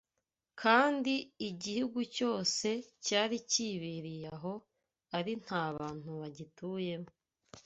kandi igihugu cyose cyari kibereye aho ari nta bantu bagituyemo.